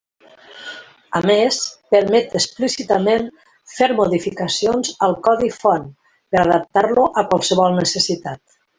A més, permet explícitament fer modificacions al codi font per adaptar-lo a qualsevol necessitat.